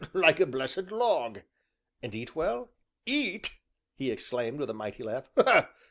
"Like a blessed log." "And eat well?" "Eat!" he exclaimed, with a mighty laugh.